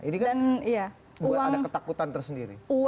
ini kan buat ada ketakutan tersendiri